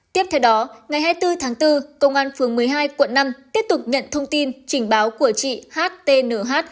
tiếp theo đó ngày hai mươi bốn tháng bốn công an phường một mươi hai quận năm tiếp tục nhận thông tin trình báo của chị htnh